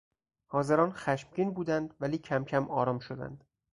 حاضران خشمگین بودند ولی کمکم آرام شدند.